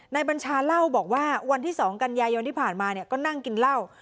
นายบัญชาเหล้าบอกว่าวันที่สองกันยายวันที่ผ่านมาเนี้ยก็นั่งกินเหล้า